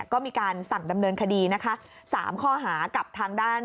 ก็มีการสั่งดำเนินคดีนะคะ๓ข้อหากับทางด้าน